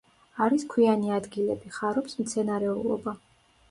არის ქვიანი ადგილები, ხარობს მცენარეულობა.